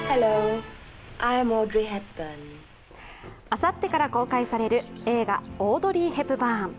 あさってから公開される映画「オードリー・ヘプバーン」。